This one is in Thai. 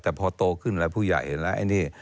แต่พอโตขึ้นแล้วผู้ใหญ่เห็นแล้วไอ้นี่